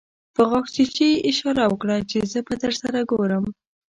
په غاښچيچي يې اشاره وکړه چې زه به درسره ګورم.